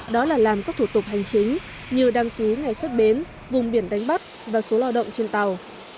đó là làm các thủ tục hành chính như đăng ký ngày xuất bến vùng biển đánh bắt và số lao động trên tàu